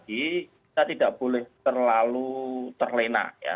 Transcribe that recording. kita tidak boleh terlalu terlena ya